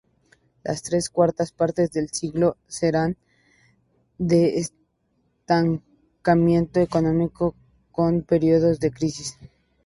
Las tres cuartas partes del siglo serán de estancamiento económico, con periodos de crisis.